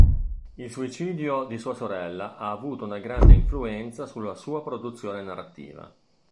Il suicidio di sua sorella ha avuto una grande influenza sulla sua produzione narrativa.